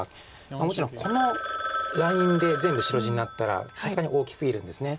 もちろんこのラインで全部白地になったらさすがに大きすぎるんです。